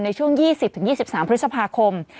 ในช่วง๒๐๒๓พฤษภาคม